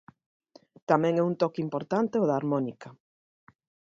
Tamén é un toque importante o da harmónica.